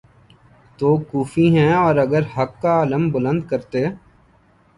تو کوفی ہیں اور اگر حق کا علم بلند کرتے